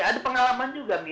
ada pengalaman juga